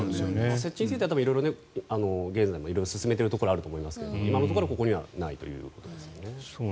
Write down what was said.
設置については色々、進めているところあると思いますが今のところ、ここにはないということですね。